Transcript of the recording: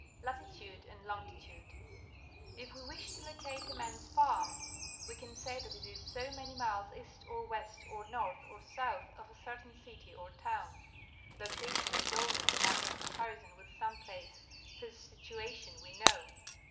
Latitude and Longitude. — If we wish to locate a man's farm, we can say that it is so many miles east or west or north or south of a certain city or town. Location is always a matter of comparison with some place whose situation we know.